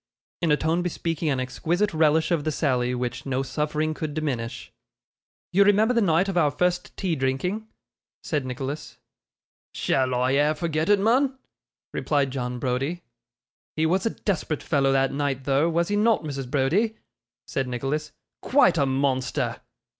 in a tone bespeaking an exquisite relish of the sally, which no suffering could diminish. 'You remember the night of our first tea drinking?' said Nicholas. 'Shall I e'er forget it, mun?' replied John Browdie. 'He was a desperate fellow that night though, was he not, Mrs. Browdie?' said Nicholas. 'Quite a monster!